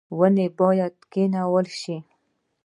ونې باید کینول شي